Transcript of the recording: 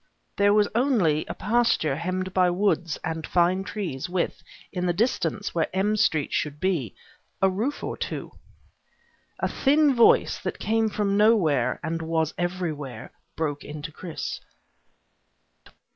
There was only a pasture hemmed by woods and fine trees with, in the distance where M Street should be, a roof or two. A thin voice, that came from nowhere and was everywhere, broke in to Chris.